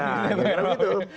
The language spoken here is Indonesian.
ya benar begitu